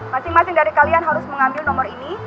masing masing dari kalian harus mengambil nomor ini